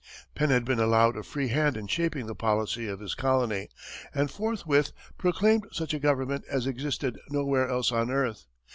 Penn had been allowed a free hand in shaping the policy of his colony, and forthwith proclaimed such a government as existed nowhere else on earth.